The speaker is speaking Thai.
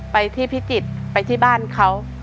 ไปที่พิจิตรไปที่บ้านเขา